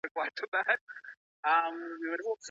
ایا په حضوري ټولګیو کي د زده کوونکو پام ډیر وي؟